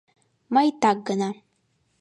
Мый так гына.